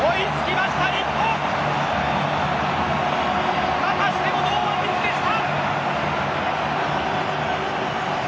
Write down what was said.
またしても堂安律でした！